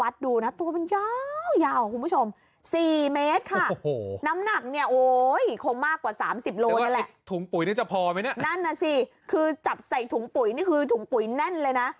ถุงปุ๋ยนี่จะพอไหมเนี่ยนั่นน่ะสิคือจับใส่ถุงปุ๋ยนี่คือถุงปุ๋ยแน่นเลยนะ